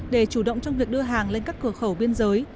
để chủ động trong việc đưa hàng lên các cửa khẩu biên giới